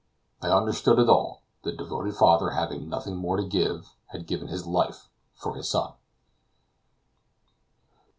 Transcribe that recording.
I understood it all; the devoted father having nothing more to give, had given his life for his son.